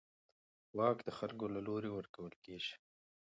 واک د خلکو له لوري ورکول کېږي